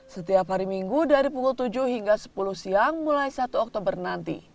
setiap hari minggu dari pukul tujuh hingga sepuluh siang mulai satu oktober nanti